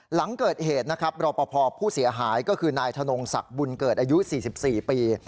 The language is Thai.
หลังเกิดเหตุนะครับรอปภผู้เสียหายก็คือนายธนงศักดิ์บุญเกิดอายุ๔๔ปี